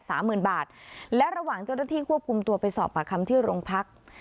หมื่นบาทและระหว่างเจ้าหน้าที่ควบคุมตัวไปสอบปากคำที่โรงพัก